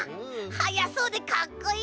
はやそうでかっこいい。